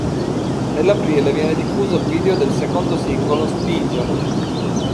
Nell'aprile viene diffuso il video del secondo singolo "Spingere".